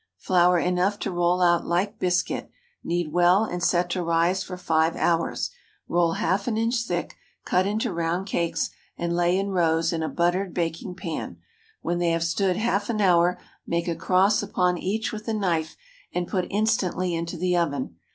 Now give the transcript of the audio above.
Flour enough to roll out like biscuit. Knead well, and set to rise for five hours. Roll half an inch thick, cut into round cakes, and lay in rows in a buttered baking pan. When they have stood half an hour, make a cross upon each with a knife, and put instantly into the oven.